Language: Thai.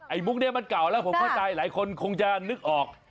มุกนี้มันเก่าแล้วผมเข้าใจหลายคนคงจะนึกออก